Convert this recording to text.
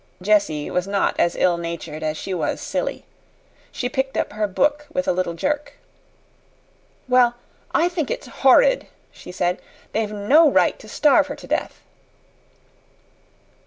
Jessie was not as ill natured as she was silly. She picked up her book with a little jerk. "Well, I think it's horrid," she said. "They've no right to starve her to death."